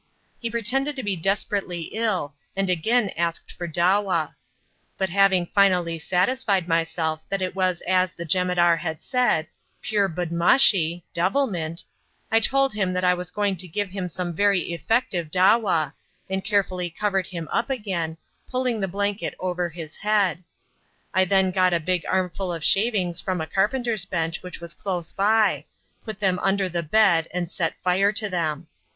He pretended to be desperately ill and again asked for dawa; but having finally satisfied myself that it was as the jemadar had said pure budmashi (devilment) I told him that I was going to give him some very effective dawa, and carefully covered him up again, pulling the blanket over his head. I then got a big armful of shavings from a carpenter's bench which was close by, put them under the bed and set fire to them.